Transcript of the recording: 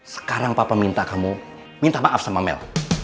sekarang papa minta kamu minta maaf sama mel